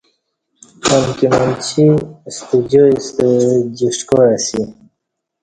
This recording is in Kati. امکی منچی ستہ جائی ستہ جیݜٹ کاع اسی